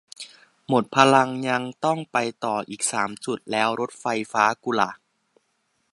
หมดพลังงาน ยังต้องไปต่ออีกสามจุด แล้วรถไฟฟ้ากูล่ะ